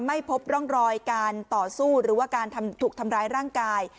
ไม่พบร่องรอยการต่อสู้หรือว่าการถูกทำร้ายร่างกาย